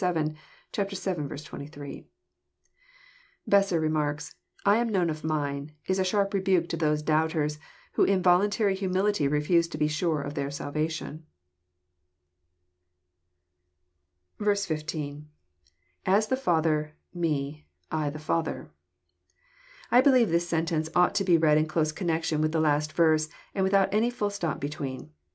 Besser remarks that "* I am known of mine ' is a sharp re buke to those doubters who in voluntary humility relUse to be sure of their salvation." 15. — lAs the Father... me,.. I the Father.] I believe this sentence ought to be read in close connection with the last verse, and without any fliU stop between.